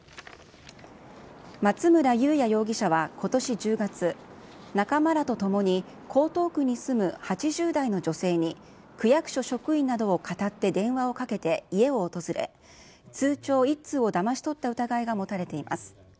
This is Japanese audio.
松村ゆうや容疑者はことし１０月、仲間らと共に江東区に住む８０代の女性に、区役所職員などをかたって電話をかけて、家を訪れ、通帳１通をだまし取った疑いが持たれています。